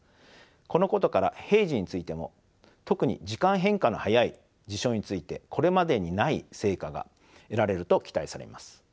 このことから平時についても特に時間変化の早い事象についてこれまでにない成果が得られると期待されます。